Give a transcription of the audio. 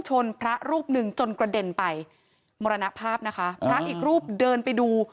พระรูปหนึ่งจนกระเด็นไปมรณภาพนะคะพระอีกรูปเดินไปดู